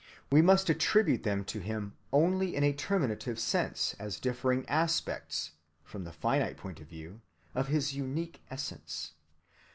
We must attribute them to Him only in a terminative sense, as differing aspects, from the finite point of view, of his unique essence.